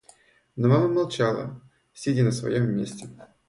Но мама молчала, сидя на своем месте.